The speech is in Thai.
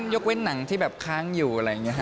ยกเว้นหนังที่แบบค้างอยู่อะไรอย่างนี้ค่ะ